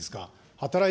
働い